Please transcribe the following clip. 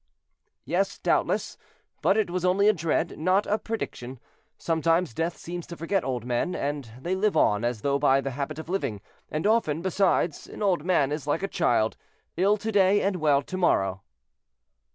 "Yes, doubtless; but it was only a dread, not a prediction. Sometimes death seems to forget old men, and they live on as though by the habit of living; and often, besides, an old man is like a child, ill to day and well to morrow."